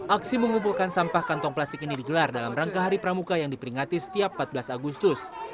aksi mengumpulkan sampah kantong plastik ini digelar dalam rangka hari pramuka yang diperingati setiap empat belas agustus